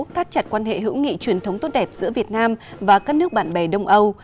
thắt chặt quan hệ hữu nghị truyền thống tốt đẹp giữa việt nam và các nước bạn bè đông âu